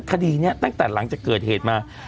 คดีนี้ตั้งแต่หลังจากเกิดเหตุมา